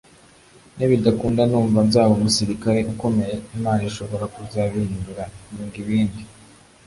nibidakunda numva nzaba umusirikare ukomeye […] Imana ishobora kuzabihindura nkiga ibindi